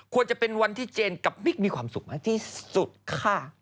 ควรจะเป็นวันที่เจนกับบิ๊กมีความสุขมากที่สุดค่ะ